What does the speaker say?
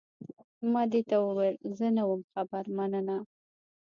ما دې ته وویل، زه نه وم خبر، مننه.